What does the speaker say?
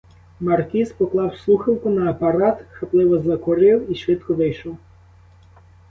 Маркіз поклав слухавку на апарат, хапливо закурив і швидко вийшов.